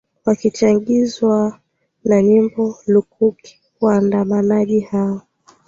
wakichagizwa na nyimbo lukuki waandamanaji hao